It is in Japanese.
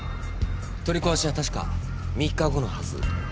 取り壊しは確か３日後のはず。